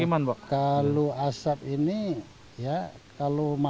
ini asapnya berapa lama bisa ada di sekitar permukiman